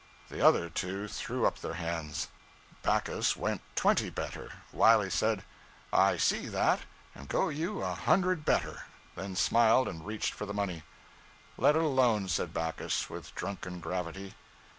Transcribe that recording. The other two threw up their hands. Backus went twenty better. Wiley said 'I see that, and go you a hundred better!' then smiled and reached for the money. 'Let it alone,' said Backus, with drunken gravity.